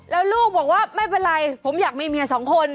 แล้วลูกบอกว่าไม่เป็นไรผมอยากมีเมียสองคน